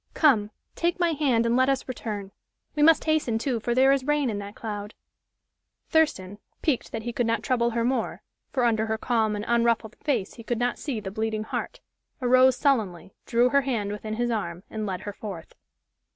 Come! take my hand and let us return. We must hasten, too, for there is rain in that cloud." Thurston piqued that he could not trouble her more for under her calm and unruffled face he could not see the bleeding heart arose sullenly, drew her hand within his arm and led her forth.